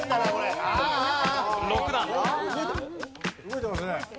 動いてますね。